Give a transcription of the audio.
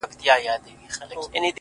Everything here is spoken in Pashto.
اوس چي ستا نوم اخلمه’